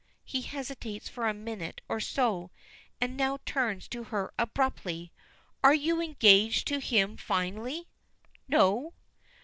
He hesitates for a minute or so, and now turns to her abruptly. "Are you engaged to him finally?" "No."